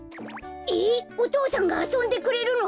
えっお父さんがあそんでくれるの？